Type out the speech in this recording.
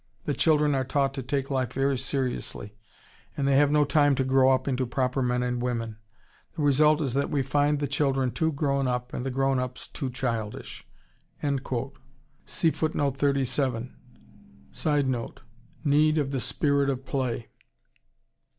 The children are taught to take life very seriously ... and they have no time to grow up into proper men and women. The result is that we find the children too grown up and the grown ups too childish." [Sidenote: Need of the "Spirit of Play."